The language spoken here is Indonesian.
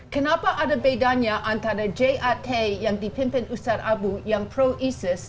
kenapa ada bedanya antara jat yang dipimpin ustadz abu yang pro isis